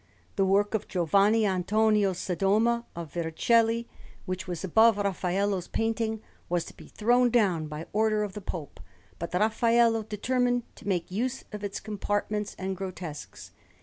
The work of Giovanni Antonio Sodoma of Vercelli, which was above Raffaello's painting, was to be thrown down by order of the Pope; but Raffaello determined to make use of its compartments and grotesques.